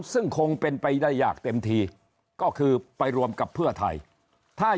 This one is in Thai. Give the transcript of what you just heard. ซึ่งคงเป็นไปได้อย่างเต็มทีก็คือไปรวมกับเพื่อไทยถ้า